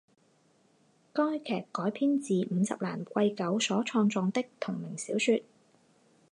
该剧改编自五十岚贵久所创作的同名小说。